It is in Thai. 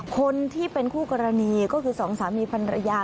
คนที่เป็นคู่กรณีก็คือสองสามีพันรยา